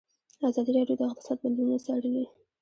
ازادي راډیو د اقتصاد بدلونونه څارلي.